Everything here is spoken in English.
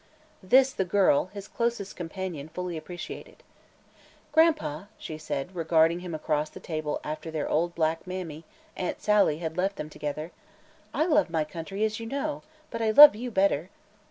This the girl, his closest companion, fully appreciated. "Gran'pa," she said, regarding him across the table after their old black mammy, Aunt Sally, had left them together, "I love my country, as you know; but I love you better."